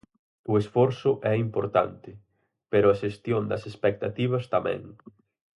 O esforzo é importante, pero a xestión das expectativas tamén.